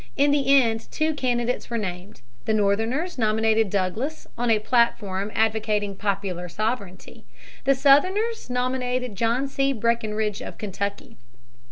In the end two candidates were named. The Northerners nominated Douglas on a platform advocating "popular sovereignty." The Southerners nominated John C. Breckinridge of Kentucky.